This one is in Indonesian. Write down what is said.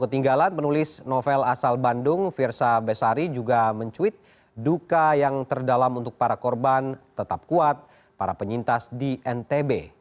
ketinggalan penulis novel asal bandung firsa besari juga mencuit duka yang terdalam untuk para korban tetap kuat para penyintas di ntb